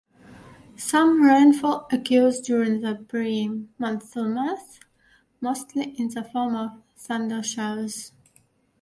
Some rainfall occurs during the pre-monsoon months, mostly in the form of thundershowers.